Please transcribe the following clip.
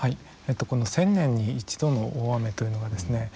この１０００年に１度の大雨というのはですね